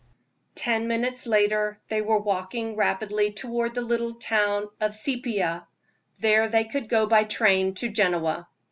Ten minutes later they were walking rapidly toward the little town of Seipia: there they could go by train to Genoa.